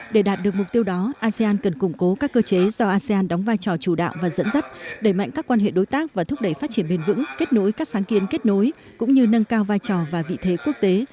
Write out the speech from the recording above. để đạt được mục tiêu đó asean cần củng cố các cơ chế do asean đóng vai trò chủ đạo và dẫn dắt đẩy mạnh các quan hệ đối tác và thúc đẩy phát triển bền vững kết nối các sáng kiến kết nối cũng như nâng cao vai trò và vị thế quốc tế